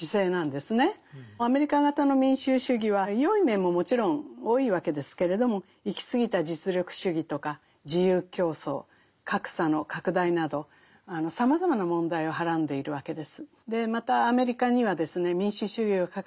アメリカ型の民主主義はよい面ももちろん多いわけですけれども行き過ぎた実力主義とか自由競争格差の拡大などさまざまな問題をはらんでいるわけです。